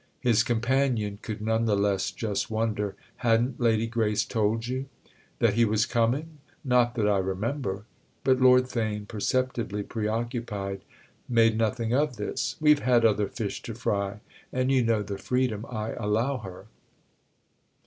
His companion could none the less just wonder. "Hadn't Lady Grace told you?" "That he was coming? Not that I remember." But Lord Theign, perceptibly preoccupied, made nothing of this. "We've had other fish to fry, and you know the freedom I allow her."